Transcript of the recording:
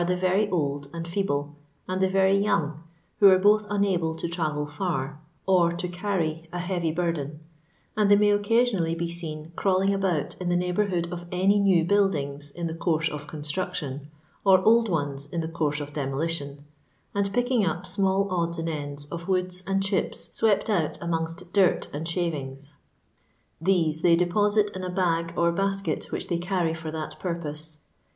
e very old and foeUe^and the very young, who are boUi unable to travel for, or to carry a heavy burden, and they may occasionally be seen crawling about in the ndghbourhood of any new buildings in the course of construction, or old ones in the course of demolition, and picking up small odds and ends of wood and chips swept out amongst dirt and shavings ; these they deposit in a bag or basket which they carry for that purpose.